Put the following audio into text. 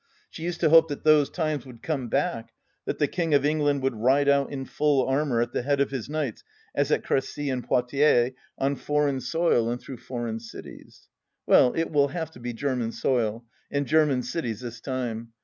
She used to hope that those times would come back, that the King of England would ride out in full armour at the head of his knights as at Cressy and Poictiers, on foreign soil and through foreign cities. Well, it will have to be German soil, and German cities this time.